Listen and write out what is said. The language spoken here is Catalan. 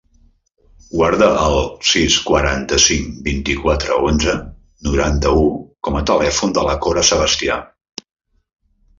Guarda el sis, quaranta-cinc, vint-i-quatre, onze, noranta-u com a telèfon de la Cora Sebastia.